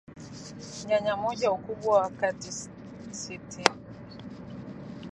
Nyanya moja ukubwa wa kati sitinig